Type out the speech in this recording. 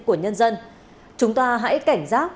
của nhân dân chúng ta hãy cảnh giác